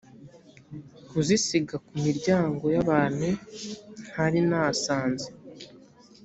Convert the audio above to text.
kuzisiga ku miryango y’ abantu ntari nasanze